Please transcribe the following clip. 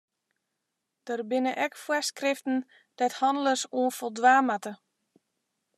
Der binne ek foarskriften dêr't hannelers oan foldwaan moatte.